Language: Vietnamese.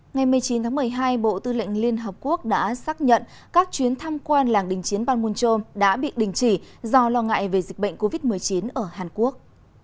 ngày một mươi chín tháng một mươi hai bộ tư lệnh liên hợp quốc đã xác nhận các chuyến tham quan làng đình chiến ban môn trôm đã bị đình chỉ do lo ngại về dịch bệnh covid một mươi chín ở hàn quốc